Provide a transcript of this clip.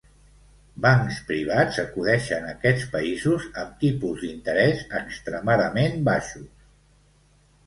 Bancs privats acudeixen a aquests països amb tipus d'interès extremadament baixos.